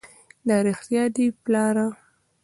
دا رښتيا دي پلاره!